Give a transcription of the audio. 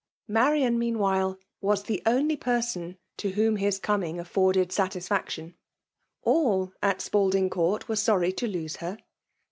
Marian, meanwhile, was tlic only person to whom his coming afforded satisfaction. All at Spalding Court were sorry to lose her.